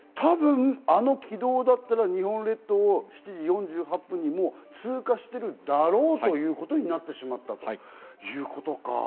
で、多分あの軌道だったら、日本列島を７時４８分に、もう通過してるだろうということになってしまったということか。